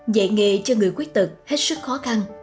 dạy nghề cho người khuyết tật hết sức khó khăn